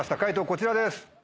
こちらです。